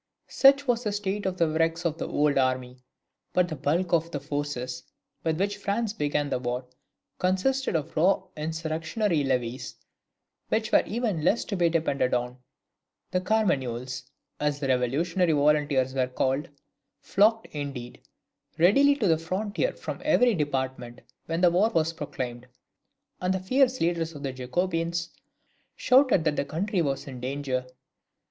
Such was the state of the wrecks of the old army; but the bulk of the forces with which France began the war, consisted of raw insurrectionary levies, which were even less to be depended on. The Carmagnoles, as the revolutionary volunteers were called, flocked, indeed, readily to the frontier from every department when the war was proclaimed, and the fierce leaders of the Jacobins shouted that the country was in danger.